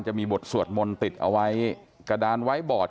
จะมีบทสวดมนต์ติดเอาไว้กระดานไว้บอด